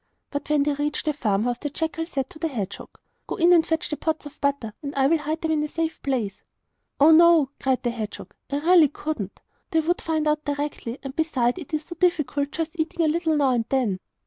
But when they reached the farmhouse the jackal said to the hedgehog: 'Go in and fetch the pots of butter and I will hide them in a safe place.' 'Oh no,' cried the hedgehog, 'I really couldn't. They would find out directly! And, besides, it is so different just eating a little now and then.